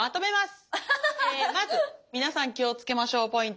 まず皆さん気を付けましょうポイント。